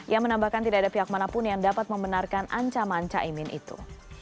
yang menambahkan tidak ada pihak manapun yang dapat membenarkan ancaman caimin itu